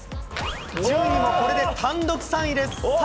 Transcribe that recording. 順位もこれで単独３位です。